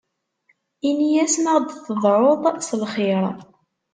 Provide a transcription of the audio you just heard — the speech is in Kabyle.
Ini-as ma aɣ-d-tedɛuḍ s lxir?